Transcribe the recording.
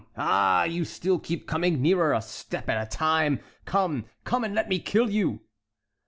ah, you still keep coming nearer, a step at a time! Come, come, and let me kill you."